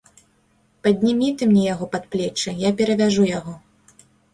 Паднімі ты мне яго пад плечы, я перавяжу яго.